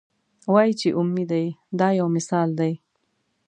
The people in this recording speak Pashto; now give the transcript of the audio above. وایي چې اومې دي دا یو مثال دی.